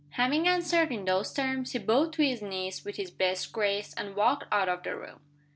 Having answered in those terms, he bowed to his niece with his best grace, and walked out of the room.